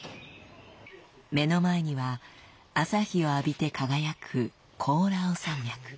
目の前には朝日を浴びて輝くコオラウ山脈。